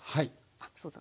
あそうだ。